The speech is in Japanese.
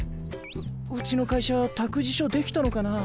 うちの会社託児所できたのかな？